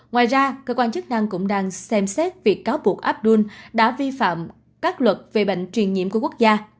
ngoài ra cơ quan chức năng cũng đang xem xét việc cáo buộc abdul đã vi phạm các luật về bệnh truyền nhiễm của quốc gia